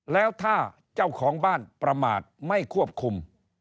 แล้วถ้าเจ้าของบ้านประมาทไม่ควบคุม